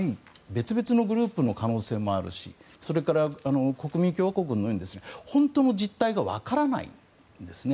別々のグループの可能性もあるしそれから、国民共和国軍のように本当の実態がわからないんですね。